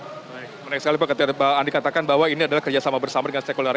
pertanyaan sekali pak ketia andi katakan bahwa ini adalah kerjasama bersama dengan stakeholders